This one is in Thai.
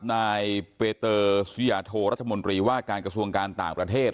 นายเปเตอร์สุริยาโทรัฐมนตรีว่าการกระทรวงการต่างประเทศ